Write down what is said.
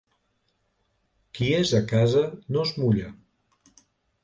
Qui és a casa no es mulla.